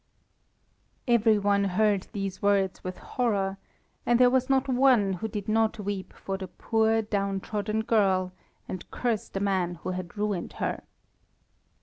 Every one heard these words with horror, and there was not one who did not weep for the poor downtrodden girl and curse the man who had ruined her.